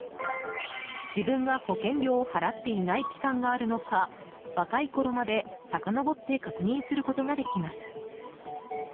自分が保険料を払っていない期間があるのか若いころまでさかのぼって確認することができます。